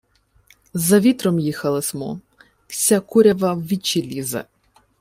— За вітром їхали смо. Вся курява в вічі лізе.